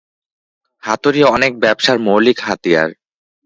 হাতুড়ি অনেক ব্যবসার মৌলিক হাতিয়ার।